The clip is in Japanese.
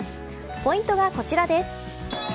ポイントはこちらです。